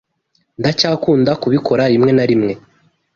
Ndacyakunda kubikora rimwe na rimwe.